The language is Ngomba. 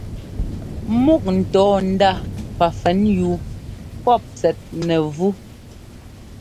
Múk ńtɔ́ɔ ndá pafɛnyúu pɔ́p tsɛt nɛvú.